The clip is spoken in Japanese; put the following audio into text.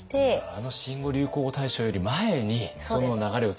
あの新語・流行語大賞より前にその流れをつかんでいた。